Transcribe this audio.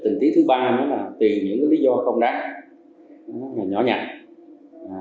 tình tiết thứ ba đó là tìm những lý do không đáng nhỏ nhặt